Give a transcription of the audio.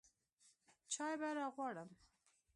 چاى به راغواړم.